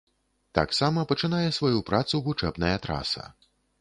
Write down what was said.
Таксама пачынае сваю працу вучэбная траса.